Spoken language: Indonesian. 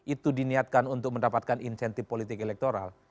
itu diniatkan untuk mendapatkan insentif politik elektoral